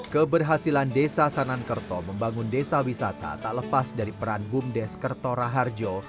keberhasilan desa sanan kerto membangun desa wisata tak lepas dari peran bumdes kerto raharjo